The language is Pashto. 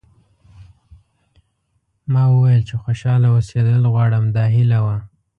ما وویل چې خوشاله اوسېدل غواړم دا هیله وه.